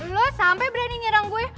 lo sampai berani nyerang gue